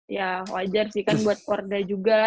ya wajar sih kan buat korda juga